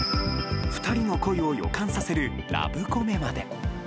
２人の恋を予感させるラブコメまで。